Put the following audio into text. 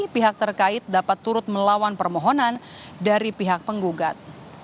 pihak terkait dapat turut melawan permohonan dari pihak penggugat